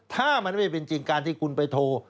ถ้ามันไม่เป็นจริงการที่คุณไปโทร